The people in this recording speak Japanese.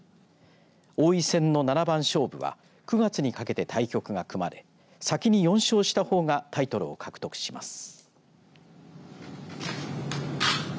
王位戦の七番勝負は９月にかけて対局が組まれ先に４勝したほうがタイトルを獲得します。